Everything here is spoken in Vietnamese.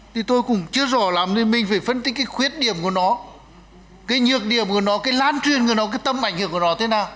thì tôi cũng chưa rõ lắm nên mình phải phân tích cái khuyết điểm của nó cái nhược điểm của nó cái lan truyền của nó cái tâm ảnh hưởng của nó thế nào